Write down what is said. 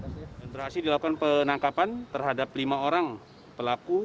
konsentrasi dilakukan penangkapan terhadap lima orang pelaku